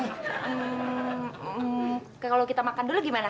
kalau kita makan dulu gimana